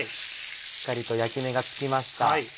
しっかりと焼き目がつきました。